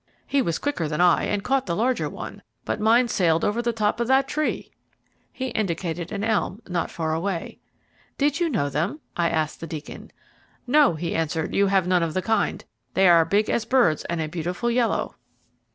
He was quicker than I, and caught the larger one, but mine sailed over the top of that tree." He indicated an elm not far away. "Did you know them?" I asked the Deacon. "No," he answered. "You have none of the kind. They are big as birds and a beautiful yellow."